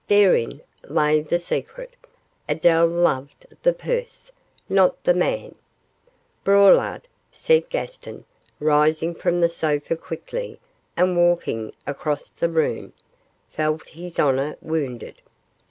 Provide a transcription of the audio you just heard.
Therein lay the secret; Adele loved the purse, not the man. Braulard,' said Gaston, rising from the sofa quickly and walking across the room, 'felt his honour wounded.